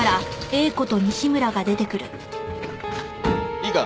いいか？